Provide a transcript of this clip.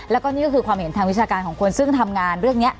แล้วก็นี่ก็คือความเห็นทางวิชาการของคนซึ่งทำงานเรื่องนี้